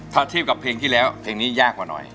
ถ้าเทียบกับเพลงที่แล้วเพลงนี้ยากกว่าหน่อย